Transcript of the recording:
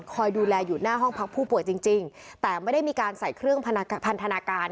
คอยดูแลอยู่หน้าห้องพักผู้ป่วยจริงแต่ไม่ได้มีการใส่เครื่องพันธนาการ